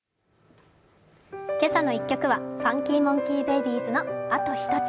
「けさの１曲」はＦＵＮＫＹＭＯＮＫＥＹＢＡＢＹＳの「あとひとつ」。